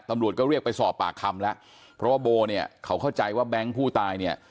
ตำรวจก็เรียกไปสอบปากคำแล้วเพราะว่าโบเนี่ยเขาเข้าใจว่าแบงค์ผู้ตายเนี่ย